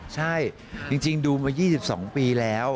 ใช่จริงดูมา๒๒ปีแล้ว